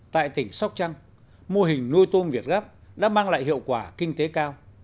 tại tỉnh sóc trăng mô hình nuôi tôm việt gáp đã mang lại hiệu quả kinh tế cao